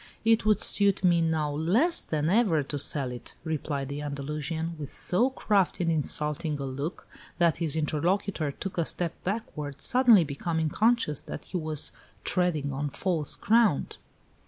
"It would suit me now less than ever to sell it," replied the Andalusian, with so crafty and insulting a look that his interlocutor took a step backward, suddenly becoming conscious that he was treading on false ground.